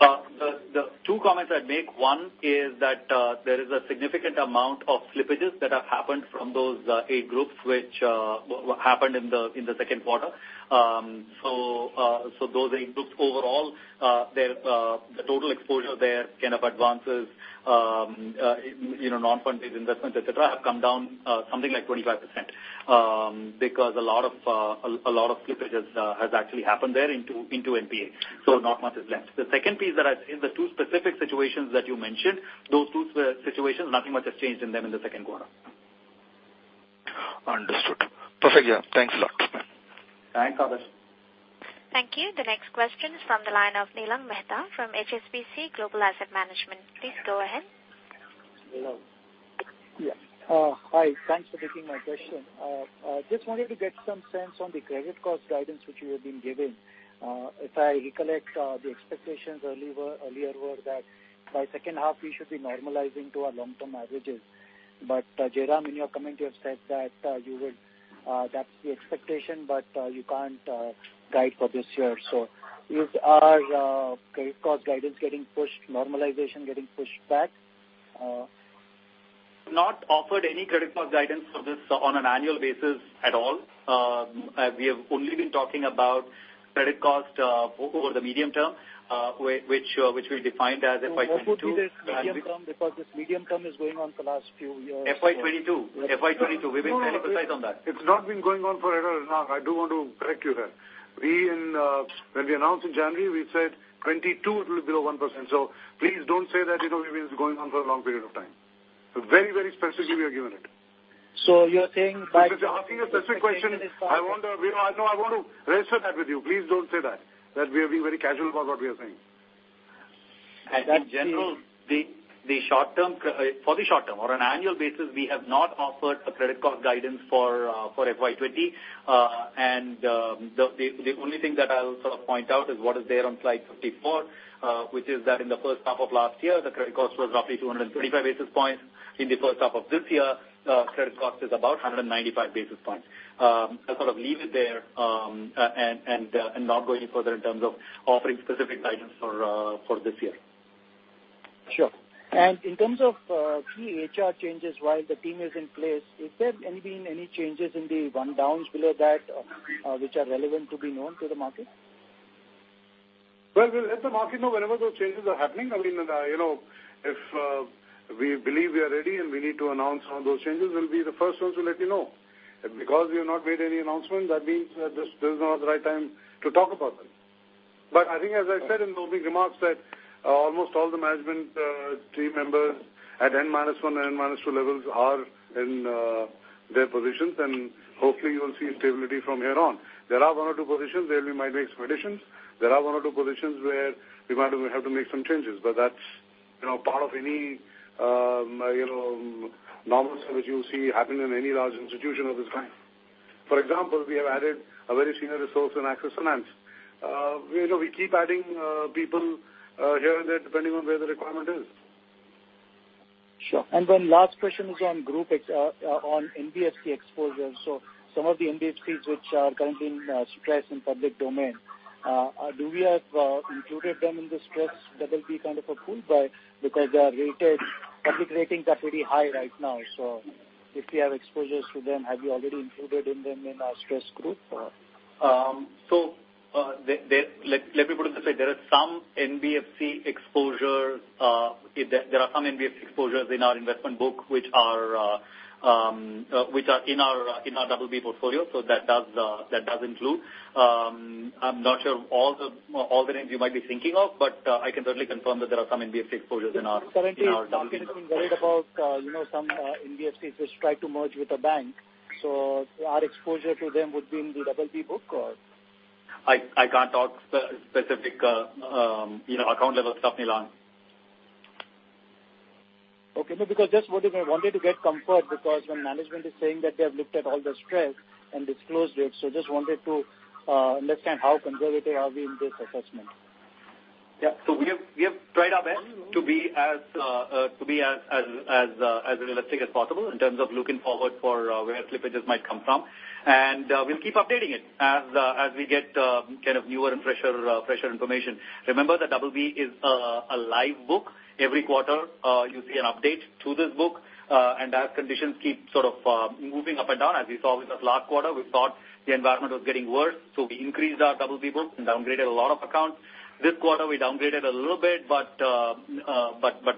[SPEAKER 3] The two comments I'd make, one is that there is a significant amount of slippages that have happened from those eight groups which happened in the second quarter. So those eight groups overall, their total exposure there, kind of advances, you know, non-funded investments, et cetera, have come down something like 25%, because a lot of slippages has actually happened there into NPA, so not much is left. The second piece that I... In the two specific situations that you mentioned, those two situations, nothing much has changed in them in the second quarter.
[SPEAKER 8] ...Perfect. Yeah. Thanks a lot.
[SPEAKER 3] Thanks, Adarsh.
[SPEAKER 1] Thank you. The next question is from the line of Nilang Mehta from HSBC Global Asset Management. Please go ahead.
[SPEAKER 9] Hello. Yeah. Hi, thanks for taking my question. I just wanted to get some sense on the credit cost guidance which you have been giving. If I recollect, the expectations earlier were that by second half, we should be normalizing to our long-term averages. But, Jairam, in your comment, you have said that, you will, that's the expectation, but, you can't, guide for this year. So is our credit cost guidance getting pushed, normalization getting pushed back?
[SPEAKER 3] Not offered any credit cost guidance for this on an annual basis at all. We have only been talking about credit cost over the medium term, which we've defined as FY 2022.
[SPEAKER 9] Because this medium term is going on for the last few years.
[SPEAKER 3] FY 2022. FY 2022. We've been very precise on that.
[SPEAKER 2] It's not been going on forever. I do want to correct you there. We, in, when we announced in January, we said 22, it will be below 1%. So please don't say that, you know, it's been going on for a long period of time. Very, very specifically, we have given it.
[SPEAKER 9] So you're saying by-
[SPEAKER 2] Because you're asking a specific question, I want to, you know, I want to register that with you. Please don't say that, that we are being very casual about what we are saying.
[SPEAKER 3] In general, the short term, for the short term, on an annual basis, we have not offered a credit cost guidance for FY 2020. And the only thing that I'll sort of point out is what is there on slide 54, which is that in the first half of last year, the credit cost was roughly 225 basis points. In the first half of this year, credit cost is about 195 basis points. I'll sort of leave it there, and not go any further in terms of offering specific guidance for this year.
[SPEAKER 9] Sure. And in terms of key HR changes, while the team is in place, is there any been any changes in the one downs below that, which are relevant to be known to the market?
[SPEAKER 2] Well, we'll let the market know whenever those changes are happening. I mean, you know, if we believe we are ready and we need to announce some of those changes, we'll be the first ones to let you know. And because we have not made any announcement, that means that this is not the right time to talk about them. But I think, as I said in the opening remarks, that almost all the management team members at N minus 1 and N minus 2 levels are in their positions, and hopefully, you will see stability from here on. There are one or two positions where we might make some additions. There are one or two positions where we might have to make some changes, but that's, you know, part of any, you know, normalcy which you'll see happen in any large institution of this kind. For example, we have added a very senior resource in Axis Finance. You know, we keep adding people here and there, depending on where the requirement is.
[SPEAKER 9] Sure. And then last question is on group ex-, on NBFC exposure. So some of the NBFCs which are currently in, stress in public domain, do we have, included them in the stress that will be kind of a pool, but because they are rated, public ratings are pretty high right now. So if we have exposures to them, have you already included in them in our stress group?
[SPEAKER 3] Let me put it this way. There are some NBFC exposures in our investment book, which are in our BB portfolio. So that does include. I'm not sure of all the names you might be thinking of, but I can totally confirm that there are some NBFC exposures in our-
[SPEAKER 9] Currently, the market is worried about, you know, some NBFCs which try to merge with a bank. So our exposure to them would be in the BB book, or?
[SPEAKER 3] I can't talk specific, you know, account level stuff, Neelam.
[SPEAKER 9] Okay, no, because just what I wanted to get comfort, because when management is saying that they have looked at all the stress and disclosed it, so just wanted to understand how conservative are we in this assessment?
[SPEAKER 3] Yeah. So we have tried our best to be as realistic as possible in terms of looking forward for where slippages might come from. And we'll keep updating it as we get kind of newer and fresher information. Remember, the BB is a live book. Every quarter you see an update to this book and as conditions keep sort of moving up and down, as we saw with the last quarter, we thought the environment was getting worse, so we increased our BB book and downgraded a lot of accounts. This quarter, we downgraded a little bit, but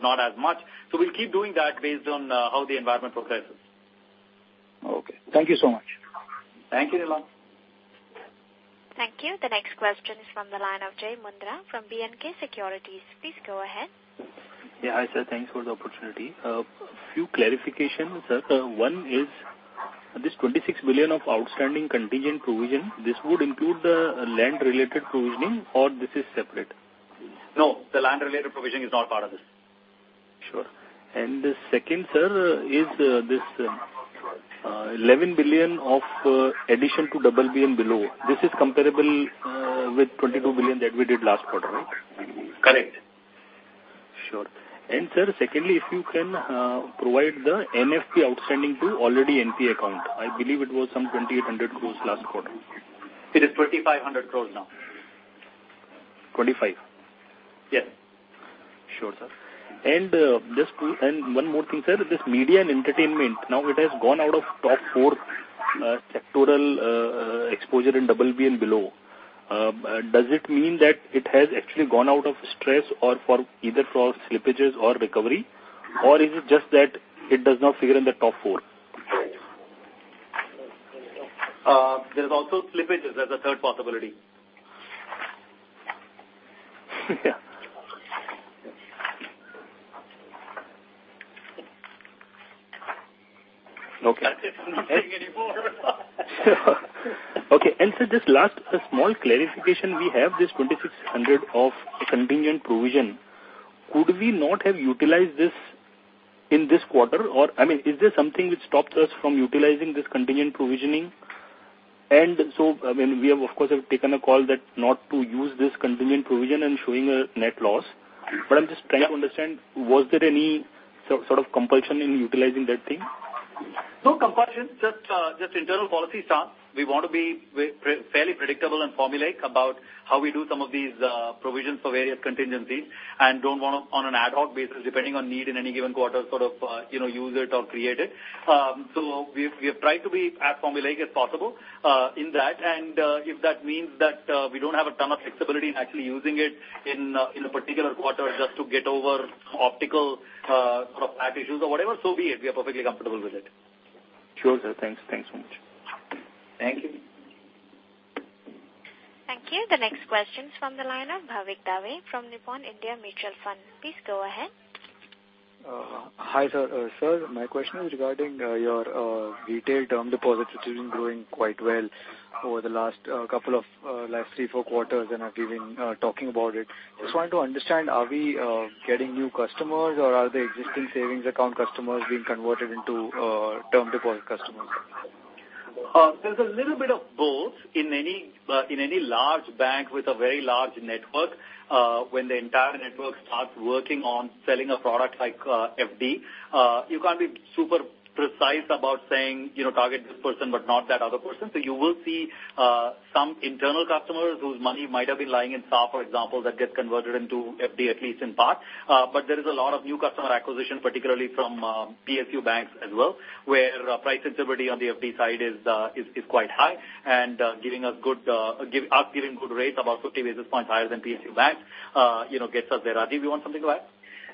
[SPEAKER 3] not as much. So we'll keep doing that based on how the environment progresses.
[SPEAKER 9] Okay. Thank you so much.
[SPEAKER 3] Thank you, Neelam.
[SPEAKER 1] Thank you. The next question is from the line of Jai Mundhra from B&K Securities. Please go ahead.
[SPEAKER 10] Yeah, hi, sir. Thanks for the opportunity. A few clarifications, sir. One is, this 26 billion of outstanding contingent provision, this would include the land-related provisioning or this is separate?
[SPEAKER 3] No, the land-related provisioning is not part of this.
[SPEAKER 10] Sure. And the second, sir, is this 11 billion of addition to BB and Below. This is comparable with 22 billion that we did last quarter, right?
[SPEAKER 3] Correct.
[SPEAKER 10] Sure. Sir, secondly, if you can provide the NFB outstanding to already NPL account. I believe it was some 2,800 crore last quarter.
[SPEAKER 3] It is 2,500 crore now.
[SPEAKER 10] Twenty-five?
[SPEAKER 3] Yeah.
[SPEAKER 10] Sure, sir. And one more thing, sir. This media and entertainment, now it has gone out of top four, sectoral, exposure in BB and Below. Does it mean that it has actually gone out of stress or for either slippages or recovery, or is it just that it does not figure in the top four?
[SPEAKER 3] There's also slippages as a third possibility.
[SPEAKER 10] Yeah.... Okay.
[SPEAKER 3] That's it, I'm not saying anymore.
[SPEAKER 10] Okay, and so just last, a small clarification: we have this 2,600 of contingent provision. Could we not have utilized this in this quarter? Or, I mean, is there something which stops us from utilizing this contingent provisioning? And so, I mean, we have of course taken a call that not to use this contingent provision and showing a net loss. But I'm just trying to understand: was there any sort of compulsion in utilizing that thing?
[SPEAKER 3] No compulsion, just just internal policy stuff. We want to be fairly predictable and formulaic about how we do some of these provisions for various contingencies, and don't want to on an ad hoc basis, depending on need in any given quarter, sort of, you know, use it or create it. So we've, we have tried to be as formulaic as possible, in that, and, if that means that, we don't have a ton of flexibility in actually using it in a particular quarter just to get over optical, sort of issues or whatever, so be it. We are perfectly comfortable with it.
[SPEAKER 10] Sure, sir. Thanks. Thanks so much.
[SPEAKER 3] Thank you.
[SPEAKER 1] Thank you. The next question is from the line of Bhavik Dave from Nippon India Mutual Fund. Please go ahead.
[SPEAKER 11] Hi, sir. Sir, my question is regarding your retail term deposits, which have been growing quite well over the last three, four quarters, and I've been talking about it. Just wanted to understand, are we getting new customers, or are the existing savings account customers being converted into term deposit customers?
[SPEAKER 3] There's a little bit of both. In any large bank with a very large network, when the entire network starts working on selling a product like FD, you can't be super precise about saying, you know, target this person, but not that other person. So you will see some internal customers whose money might have been lying in star, for example, that gets converted into FD, at least in part. But there is a lot of new customer acquisition, particularly from PSU banks as well, where price sensitivity on the FD side is quite high, and giving us good rates about 50 basis points higher than PSU banks, you know, gets us there. Rajiv, do you want something to add?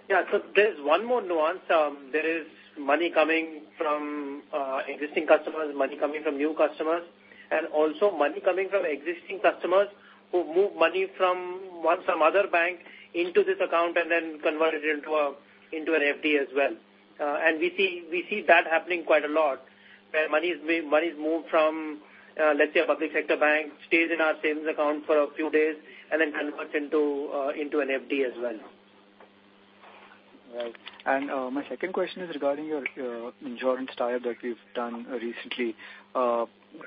[SPEAKER 12] Yeah, so there's one more nuance. There is money coming from existing customers, money coming from new customers, and also money coming from existing customers who move money from one, some other bank into this account and then convert it into a, into an FD as well. And we see that happening quite a lot, where money is moved from, let's say, a public sector bank, stays in our savings account for a few days and then converts into, into an FD as well.
[SPEAKER 11] Right. And, my second question is regarding your, insurance tie-up that you've done recently.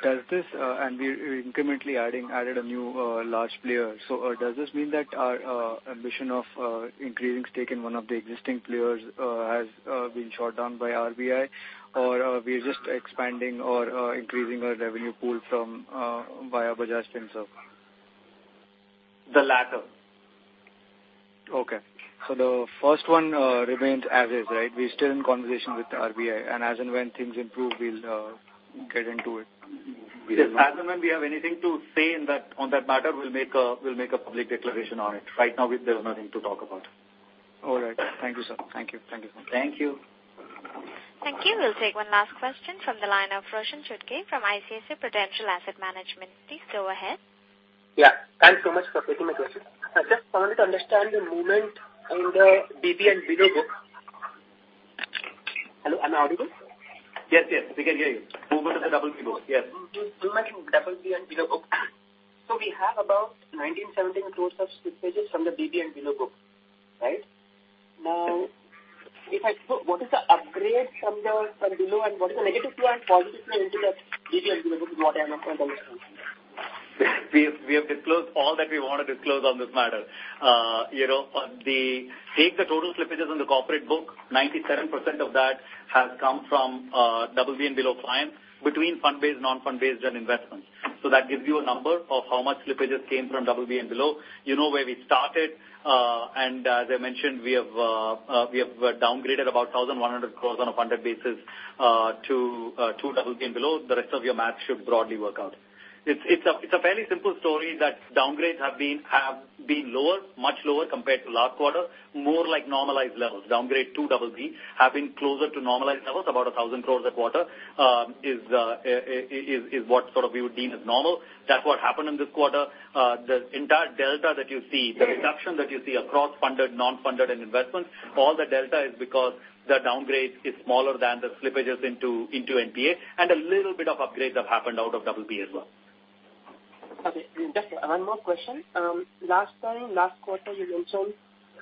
[SPEAKER 11] Does this, and we're incrementally adding, added a new, large player. So, does this mean that our, ambition of, increasing stake in one of the existing players, has, been shot down by RBI? Or, we are just expanding or, increasing our revenue pool from, via Bajaj Finserv?
[SPEAKER 3] The latter.
[SPEAKER 11] Okay. So the first one remains as is, right? We're still in conversation with the RBI, and as and when things improve, we'll get into it.
[SPEAKER 3] As and when we have anything to say in that, on that matter, we'll make a, we'll make a public declaration on it. Right now, we, there's nothing to talk about.
[SPEAKER 11] All right. Thank you, sir. Thank you. Thank you.
[SPEAKER 3] Thank you.
[SPEAKER 1] Thank you. We'll take one last question from the line of Roshan Chutkey from ICICI Prudential Asset Management. Please go ahead.
[SPEAKER 13] Yeah. Thanks so much for taking my question. I just wanted to understand the movement in the BB and Below book. Hello, am I audible?
[SPEAKER 3] Yes, yes, we can hear you. Movement of the BB book. Yes.
[SPEAKER 13] Movement in BB and Below book. So we have about 1,917 crore of slippages from the BB and below book, right? Now, if I... So what is the upgrade from the, from below, and what is the negative play and positive play into the BB and Below book what I am not understanding?
[SPEAKER 3] We have disclosed all that we want to disclose on this matter. You know, take the total slippages on the corporate book, 97% of that has come from BB and Below clients between fund-based, non-fund-based and investments. So that gives you a number of how much slippages came from BB and Below. You know, where we started, and as I mentioned, we have downgraded about 1,100 crore on a funded basis to BB and Below. The rest of your math should broadly work out. It's a fairly simple story that downgrades have been lower, much lower compared to last quarter, more like normalized levels. Downgrade to BB have been closer to normalized levels, about 1,000 crore a quarter, is what sort of we would deem as normal. That's what happened in this quarter. The entire delta that you see, the reduction that you see across funded, non-funded and investments, all the delta is because the downgrade is smaller than the slippages into NPA, and a little bit of upgrades have happened out of BB as well.
[SPEAKER 13] Okay, just one more question. Last time, last quarter, you mentioned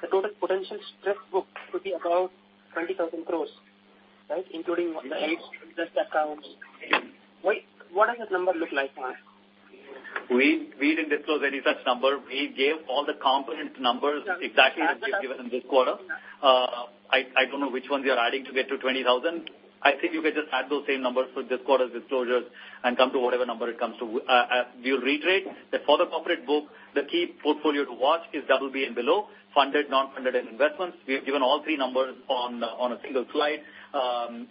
[SPEAKER 13] the total potential stress book could be about 20,000 crore, right? Including the interest accounts. Why, what does that number look like now?
[SPEAKER 3] We, we didn't disclose any such number. We gave all the component numbers exactly as we've given in this quarter. I, I don't know which one you're adding to get to 20,000. I think you can just add those same numbers for this quarter's disclosures and come to whatever number it comes to. We'll reiterate that for the corporate book, the key portfolio to watch is BB and Below, funded, non-funded, and investments. We have given all three numbers on, on a single slide.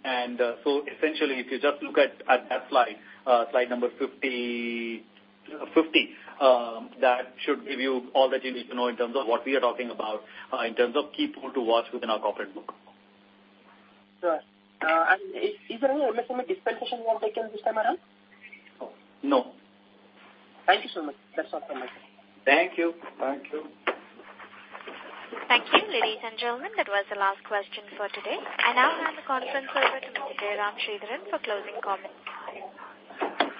[SPEAKER 3] And, so essentially, if you just look at, at that slide, slide number 50, 50, that should give you all that you need to know in terms of what we are talking about, in terms of key pool to watch within our corporate book.
[SPEAKER 13] Sure. And is there any MSME dispensation you have taken this time around?
[SPEAKER 3] No.
[SPEAKER 13] Thank you so much. That's all from my side.
[SPEAKER 3] Thank you.
[SPEAKER 12] Thank you.
[SPEAKER 1] Thank you, ladies and gentlemen. That was the last question for today. I now hand the conference over to Jairam Sridharan for closing comments.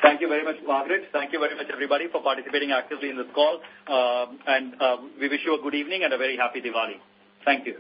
[SPEAKER 3] Thank you very much, Margaret. Thank you very much, everybody, for participating actively in this call. We wish you a good evening and a very happy Diwali. Thank you.